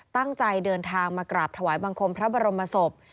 ตั้งใจเดินทางมากราบถวายบังคมพระบรมศพ